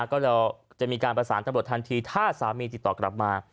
ก็จะมีการประสานตำรวจทันทีถ้าสามีติดต่อกลับมา